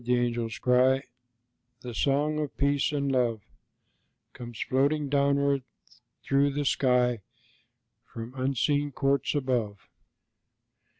the angels cry The song of peace and love, Comes floating downward thro' the sky, From unseen courts above.